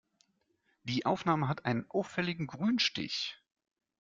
Die Aufnahme hat einen auffälligen Grünstich.